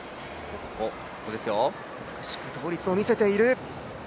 美しく倒立を見せている。